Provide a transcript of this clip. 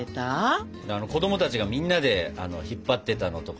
子供たちがみんなで引っ張ってたのとか。